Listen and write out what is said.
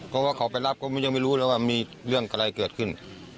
เพราะว่าเขาไปรับก็ยังไม่รู้เลยว่ามีเรื่องอะไรเกิดขึ้น